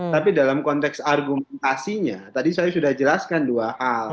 tapi dalam konteks argumentasinya tadi saya sudah jelaskan dua hal